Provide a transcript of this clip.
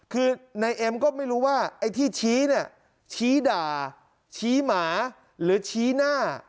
คือนายเอ็มก็ไม่รู้ว่าไอ้ที่ชี้เนี่ยชี้ด่าชี้หมาหรือชี้หน้า